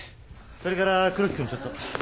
それから黒木君ちょっと。